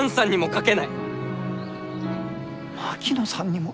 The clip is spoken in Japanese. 槙野さんにも。